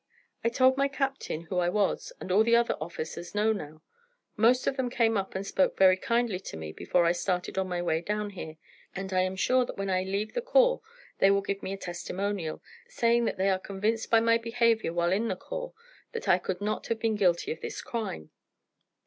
I told my captain who I was, and all the other officers now know. Most of them came up and spoke very kindly to me before I started on my way down here, and I am sure that when I leave the corps they will give me a testimonial, saying that they are convinced by my behaviour while in the corps that I could not have been guilty of this crime.